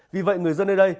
vì vậy người dân nơi đây